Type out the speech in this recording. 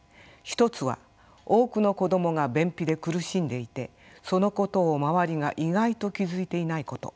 一つは多くの子どもが便秘で苦しんでいてそのことを周りが意外と気付いていないこと。